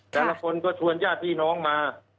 แต่ละคนก็ชวนญาติพี่น้องมา